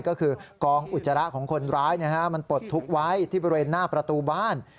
ก็คือกองอุจจาระของคนร้ายมันปลดทุกข์ไว้ที่บริเวณหน้าประตูบ้าน